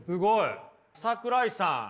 桜井さん。